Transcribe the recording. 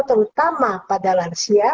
terutama pada lansia